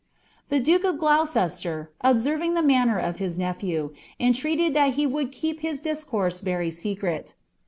The duke of Gloucester, observing the manner of tus luftim,* treated that he would keep hie discourse very secret.